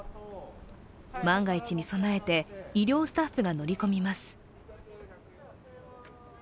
万が一に備えて、医療スタッフが乗り込みます。